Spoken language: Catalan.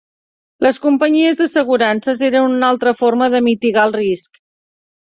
Les companyies d'assegurances eren una altra forma de mitigar el risc.